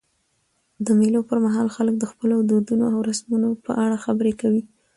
د مېلو پر مهال خلک د خپلو دودونو او رسمونو په اړه خبري کوي.